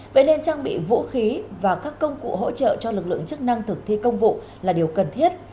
vậy nên trang bị vũ khí và các công cụ hỗ trợ cho lực lượng chức năng thực thi công vụ là điều cần thiết